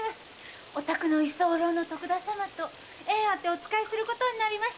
お宅の居候の徳田様と縁あってお仕えすることになりました。